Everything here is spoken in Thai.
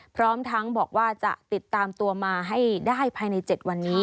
พร้อมทั้งบอกว่าจะติดตามตัวมาให้ได้ภายใน๗วันนี้